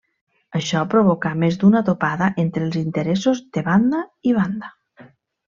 Això provocà més d'una topada entre els interessos de banda i banda.